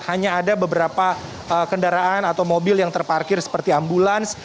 hanya ada beberapa kendaraan atau mobil yang terparkir seperti ambulans